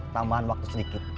tambahan waktu sedikit